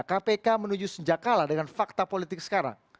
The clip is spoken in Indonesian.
kpk menuju senjakala dengan fakta politik sekarang